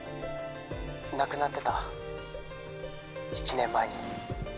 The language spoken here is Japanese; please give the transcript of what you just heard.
「亡くなってた１年前に」